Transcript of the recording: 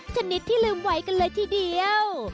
ชนิดที่ลืมไว้กันเลยทีเดียว